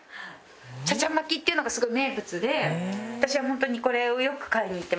茶々巻っていうのがすごい名物で私はホントにこれをよく買いに行ってました。